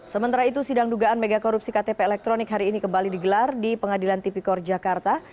sementara itu sidang dugaan megakorupsi ktp elektronik hari ini kembali digelar di pengadilan tipikor jakarta